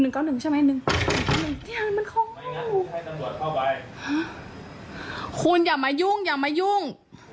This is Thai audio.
คุณอย่ามายุ่งอย่ามายุ่ง